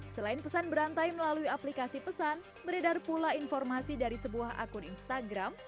selain pesan berantai melalui aplikasi pesan beredar pula informasi dari sebuah akun instagram